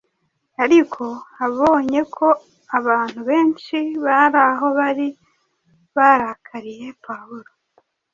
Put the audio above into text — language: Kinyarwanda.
ariko abonye ko abantu benshi bari aho bari barakariye Pawulo,